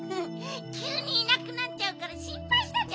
きゅうにいなくなっちゃうからしんぱいしたじゃない。